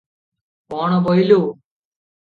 କଣ ବୋଇଲୁ?